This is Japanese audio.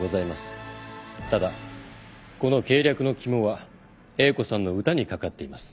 ただこの計略の肝は英子さんの歌にかかっています。